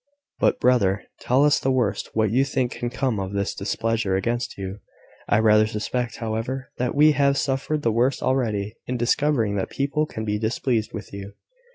"But, brother, tell us the worst that you think can come of this displeasure against you. I rather suspect, however, that we have suffered the worst already, in discovering that people can be displeased with you."